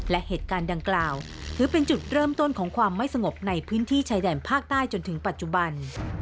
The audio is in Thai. และเหตุการณ์ดังกล่าวถือเป็นจุดเริ่มต้นของความไม่สงบในพื้นที่ชายแดนภาคใต้จนถึงปัจจุบัน